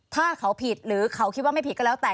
ถ้าเขาผิดหรือเขาคิดว่าไม่ผิดก็แล้วแต่